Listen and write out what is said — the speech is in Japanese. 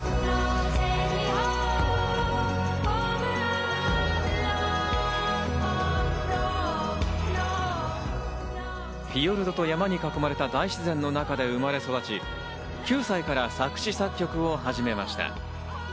ノルウェー出身のシンガー・フィヨルドと山に囲まれた大自然の中で生まれ育ち、９歳から作詞・作曲を始めました。